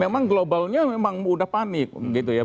memang globalnya memang udah panik gitu ya